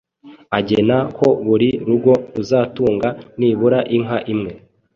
agena ko buri rugo ruzatunga nibura inka imwe.